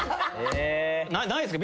ないっすか？